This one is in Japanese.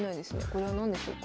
これは何でしょうか？